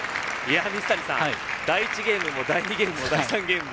水谷さん、第１ゲームも第２ゲームも、第３ゲームも。